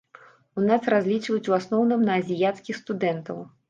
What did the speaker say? У нас разлічваюць у асноўным на азіяцкіх студэнтаў.